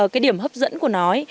cái điểm hấp dẫn của nó